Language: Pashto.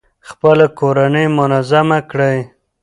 خپله کورنۍ منظمه کړئ.